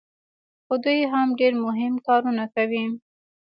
خو دی هم ډېر مهم کارونه کوي.